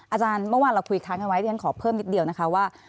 อาจารย์เมื่อวานเราคุยค้างกันไว้เรียนขอเพิ่มนิดเดียวนะคะว่า